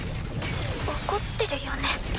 怒ってるよね？